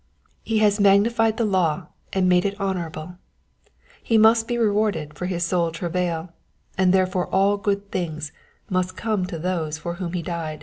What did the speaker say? He has magnified the law, and made it honorable; he must be rewarded for his soul travail, and therefore all good things must come to those for whom he died.